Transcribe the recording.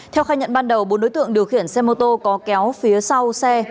theo khai nhận ban đầu bốn đối tượng điều khiển xe mô tô có kéo phía sau xe